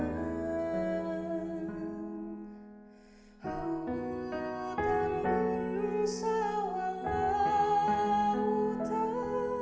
hutan mengusahawah hutan